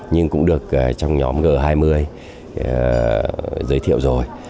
nhưng cũng được trong nhóm g hai mươi giới thiệu rồi